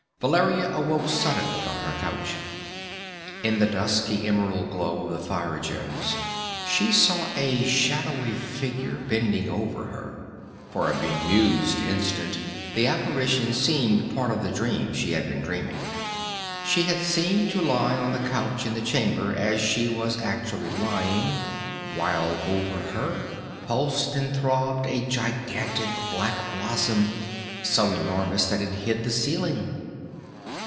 Valeria awoke suddenly on her couch. In the dusky emerald glow of the fire gems she saw a shadowy figure bending over her. For a bemused instant the apparition seemed part of the dream she had been dreaming. She had seemed to lie on the couch in the chamber as she was actually lying, while over her pulsed and throbbed a gigantic black blossom so enormous that it hid the ceiling.